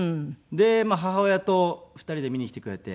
でまあ母親と２人で見に来てくれて。